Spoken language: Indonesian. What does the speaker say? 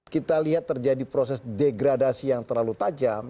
kita lihat terjadi proses degradasi yang terlalu tajam